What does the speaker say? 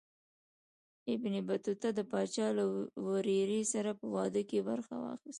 ابن بطوطه د پاچا له ورېرې سره په واده کې برخه واخیستله.